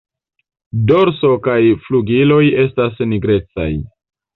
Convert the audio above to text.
Dorso kaj flugiloj estas nigrecaj.